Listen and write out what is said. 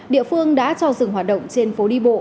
địa phương đã cho dừng hoạt động trên phố đi bộ